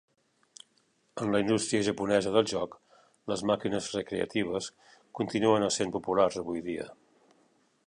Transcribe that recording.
En la indústria japonesa del joc, les màquines recreatives continuen essent populars avui dia.